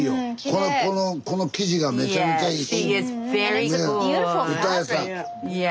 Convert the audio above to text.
この生地がめちゃめちゃいいし。